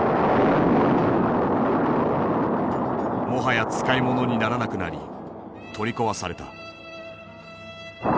もはや使い物にならなくなり取り壊された。